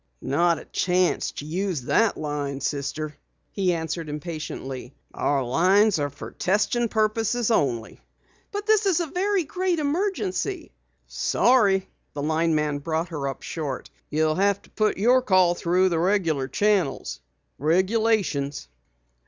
"Not a chance to use that line, Sister," he answered impatiently. "Our 'phones are for testing purposes only." "But this is a very great emergency " "Sorry," the lineman brought her up short. "You'll have to put your call through the regular channels. Regulations."